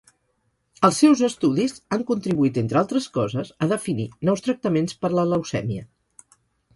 Els seus estudis han contribuït, entre altres coses, a definir nous tractaments per la leucèmia.